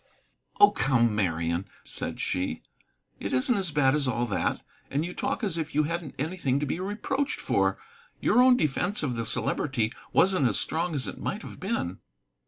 "Oh, come, Marian," said she, "it isn't as bad as all that. And you talk as if you hadn't anything to be reproached for. Your own defence of the Celebrity wasn't as strong as it might have been."